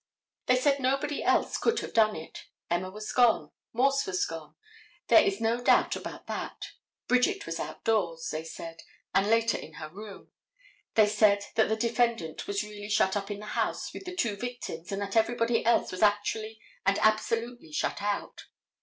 They said nobody else could have done it. Emma was gone. Morse was gone. There is no doubt about that. Bridget was out doors, they said, and later in her room. They said that the defendant was really shut up in the house with the two victims and that everybody else was actually and absolutely shut out.